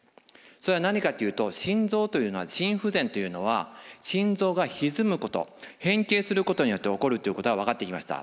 それは何かというと心不全というのは心臓がひずむこと変形することによって起こるということが分かってきました。